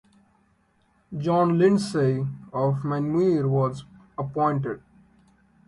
John Lindsay of Menmuir was appointed.